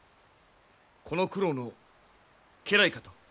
この九郎の家来かと？